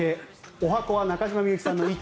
十八番は中島みゆきさんの「糸」